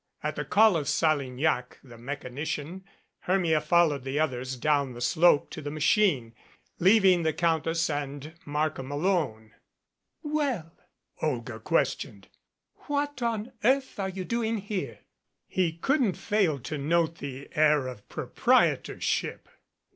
At the call of Salignac, the mechanician, Hermia fol 1 lowed the others down the slope to the machine, leaving the Countess and Markham alone. "Well," Olga questioned, "what on earth are you doing here?" He couldn't fail to note the air of proprietorship.